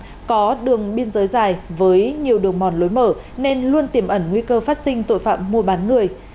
huyện an phú là huyện biên giới dài với nhiều đường mòn lối mở nên luôn tìm ẩn nguy cơ phát sinh tội phạm mua bán người